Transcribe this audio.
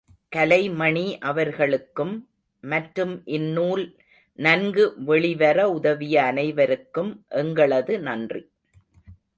கலைமணி அவர்களுக்கும், மற்றும் இந்நூல் நன்கு வெளிவர உதவிய அனைவருக்கும் எங்களது நன்றி.